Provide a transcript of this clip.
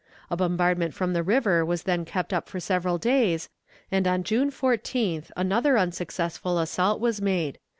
A bombardment from the river was then kept up for several days, and on June 14th another unsuccessful assault was made.